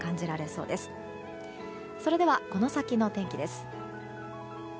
それではこの先の天気です。